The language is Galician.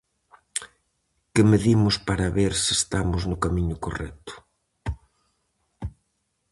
Que medimos para ver se estamos no camiño correcto.